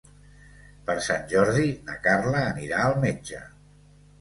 Per Sant Jordi na Carla anirà al metge.